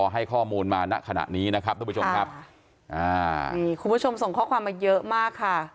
ให้ข้อมูลมาณขณะนี้นะครับทุกผู้ชมครับอ่านี่คุณผู้ชมส่งข้อความมาเยอะมากค่ะ